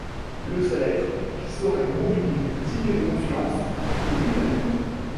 Le seul être qui serait pour lui digne de confiance est lui-même.